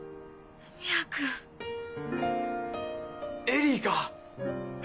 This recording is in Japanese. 恵里か？